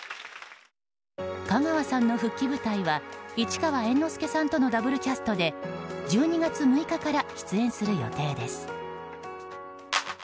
香川さんの復帰舞台は市川猿之助さんとのダブルキャストで１２月６日から出演する予定です。